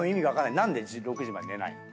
何で６時まで寝ないの？